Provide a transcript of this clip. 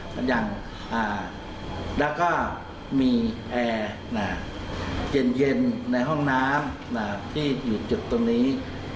สัญญาณแล้วก็มีแอร์เย็นในห้องน้ำที่อยู่จุดตรงนี้